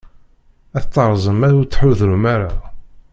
Ad t-terẓem ma ur tḥudrem ara.